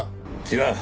違う。